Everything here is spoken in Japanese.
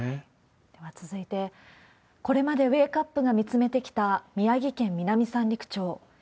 では続いて、これまでウェークアップが見つめてきた宮城県南三陸町。